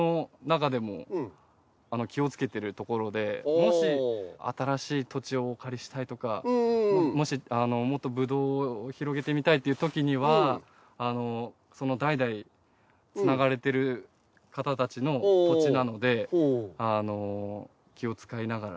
もし新しい土地をお借りしたいとかもしもっとブドウを広げてみたいっていうときには代々つながれてる方たちの土地なので気をつかいながら。